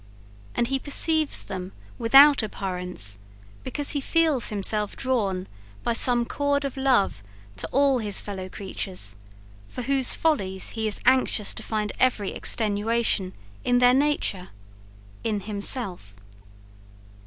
and he perceives them without abhorrence, because he feels himself drawn by some cord of love to all his fellow creatures, for whose follies he is anxious to find every extenuation in their nature in himself.